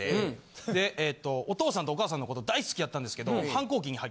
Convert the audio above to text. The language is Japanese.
でお父さんとお母さんのこと大好きやったんですけど。